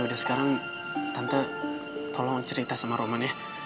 udah sekarang tante tolong cerita sama roman ya